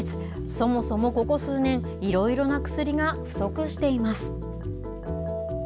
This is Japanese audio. そもそもここ数年、いろいろな薬が不足しています。